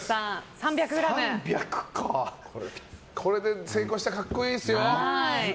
これで成功したら格好いいですよ。